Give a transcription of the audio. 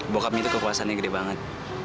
bokapnya itu kekuasaannya gede banget